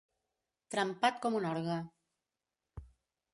Trempat com un orgue.